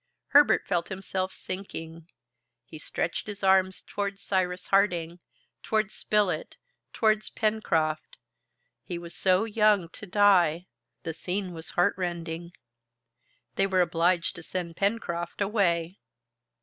Herbert felt himself sinking. He stretched his arms towards Cyrus Harding, towards Spilett, towards Pencroft. He was so young to die! The scene was heart rending. They were obliged to send Pencroft away.